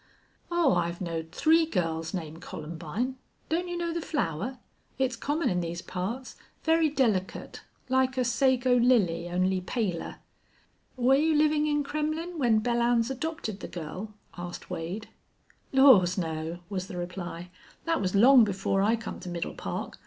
"Oh, I've knowed three girls named Columbine. Don't you know the flower? It's common in these parts. Very delicate, like a sago lily, only paler." "Were you livin' in Kremmlin' when Belllounds adopted the girl?" asked Wade. "Laws no!" was the reply. "Thet was long before I come to Middle Park.